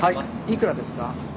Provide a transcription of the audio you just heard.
いくらですか？